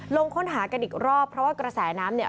ลงค้นหากันอีกรอบเพราะว่ากระแสน้ำเนี่ย